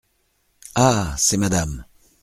Ah ! c’est madame…